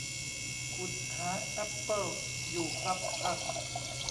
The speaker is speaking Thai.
ขุดหาแอปเปิ้ลอยู่ครับท่าน